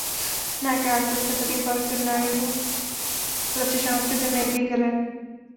নাকে আঁচল চাপা দিয়ে কয়েকজন নারীও লাশটি শনাক্তের জন্য এগিয়ে গেলেন।